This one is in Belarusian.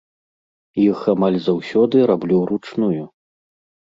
Іх амаль заўсёды раблю ўручную.